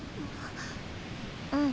うん。